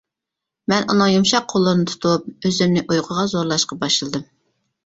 مەن ئۇنىڭ يۇمشاق قوللىرىنى تۇتۇپ، ئۆزۈمنى ئۇيقۇغا زورلاشقا باشلىدىم.